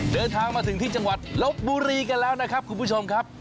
เดินทางมาถึงที่จังหวัดลบบุรีกันแล้วนะครับคุณผู้ชมครับ